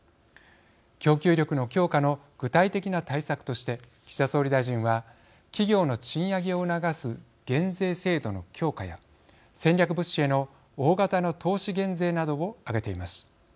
供給力の強化の具体的な対策として岸田総理大臣は企業の賃上げを促す減税制度の強化や戦略物資への大型の投資減税などを挙げています。